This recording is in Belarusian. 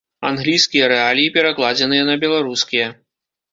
Англійскія рэаліі перакладзеныя на беларускія.